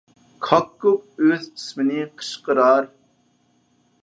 كاككۇك ئۆز ئىسمىنى قىچقىرار.